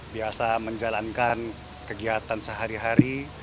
biasa menjalankan kegiatan sehari hari